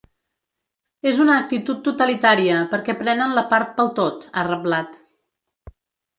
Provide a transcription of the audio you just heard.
És una actitud totalitària perquè prenen la part pel tot, ha reblat.